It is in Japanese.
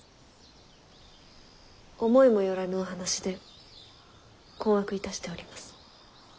思いも寄らぬお話で困惑いたしております。